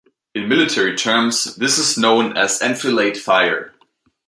In military terms, this is known as "enfilade fire".